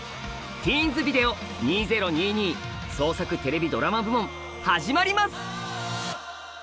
ティーンズビデオ２０２２創作テレビドラマ部門始まります！